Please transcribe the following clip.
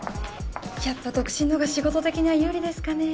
やっぱ独身の方が仕事的には有利ですかね？